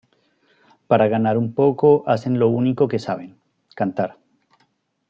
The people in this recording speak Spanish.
Para ganar un poco hacen lo único que saben: cantar.